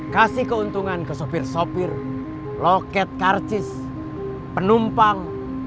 kasih keuntungan ke sopir sopir loket karcis penumpang